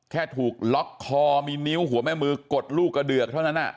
แค่ถูกล็อกคอมีนิ้วหัวแม่มือกดลูกกระเดือกเท่านั้น